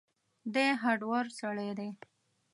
دی هډور سړی و.